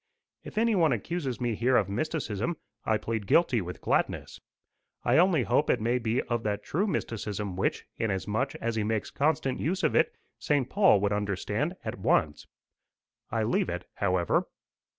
If anyone accuses me here of mysticism, I plead guilty with gladness: I only hope it may be of that true mysticism which, inasmuch as he makes constant use of it, St. Paul would understand at once. I leave it, however.